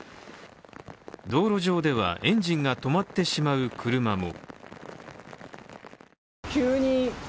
道路上ではエンジンが止まってしまう車も。